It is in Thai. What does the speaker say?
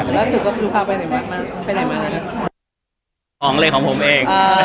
อเจมส์ออกไว้กับท่านเดิม